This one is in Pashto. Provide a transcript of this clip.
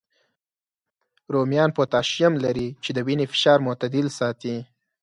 رومیان پوتاشیم لري، چې د وینې فشار معتدل ساتي